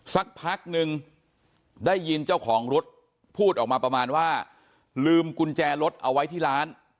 สักพักนึงได้ยินเจ้าของรถพูดออกมาประมาณว่าลืมกุญแจรถเอาไว้ที่ร้าน